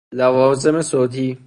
لوازم صوتی